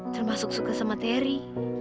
termasuk suka sama terry